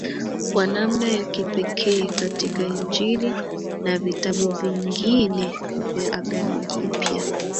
kwa namna ya kipekee katika Injili na vitabu vingine vya Agano Jipya